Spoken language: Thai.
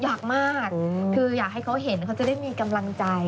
อยากมากคืออยากให้เขาเห็นเขาจะได้มีกำลังใจ